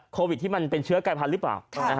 โควิดที่มันเป็นเชื้อกายพันธุ์หรือเปล่า